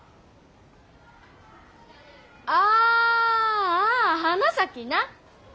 あああ花咲な。